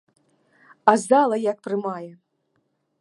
А зала як прымае!